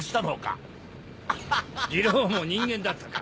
二郎も人間だったか。